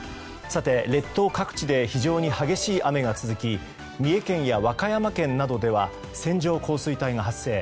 列島各地で非常に激しい雨が続き三重県や和歌山県などでは線状降水帯が発生。